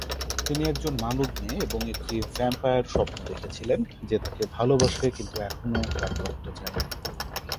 তিনি একজন মানব মেয়ে এবং একটি ভ্যাম্পায়ার স্বপ্ন দেখেছিলেন, যে তাকে ভালোবাসে কিন্তু এখনও তার রক্ত চায়।